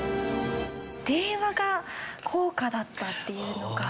電話が高価だったっていうのが。